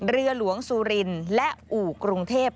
เรือหลวงสุรินและอู่กรุงเทพ